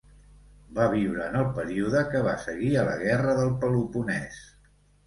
Va viure en el període que va seguir a la Guerra del Peloponès.